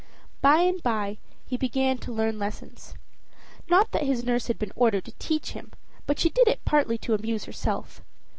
By and by he began to learn lessons not that his nurse had been ordered to teach him, but she did it partly to amuse herself.